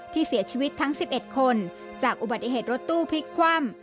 ที่เสียชีวิตทั้ง๑๑คนจากอุบัติเหตุรถตู้พลิกคว่ำ